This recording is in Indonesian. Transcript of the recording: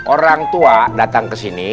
orang tua datang kesini